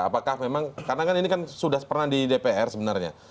apakah memang karena kan ini kan sudah pernah di dpr sebenarnya